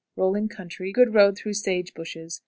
Rolling country; good road through sage bushes.